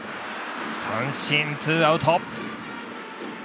三振、ツーアウト。